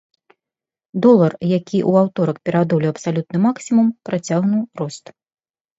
Долар, які ў аўторак пераадолеў абсалютны максімум, працягнуў рост.